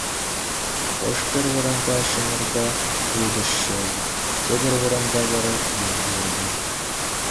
Хӑш-пӗр вырӑнта ҫумӑрпа хутӑш ҫӑвӗ, тепӗр вырӑнта вара юр выртӗ.